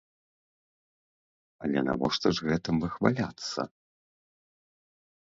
Але навошта ж гэтым выхваляцца?